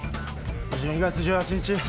１２日１８日？